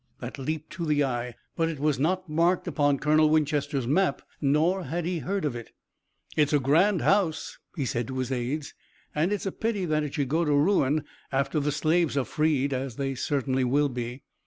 That leaped to the eye, but it was not marked upon Colonel Winchester's map, nor had he heard of it. "It's a grand house," he said to his aides, "and it's a pity that it should go to ruin after the slaves are freed, as they certainly will be."